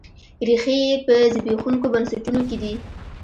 ریښې یې په زبېښونکو بنسټونو کې دي.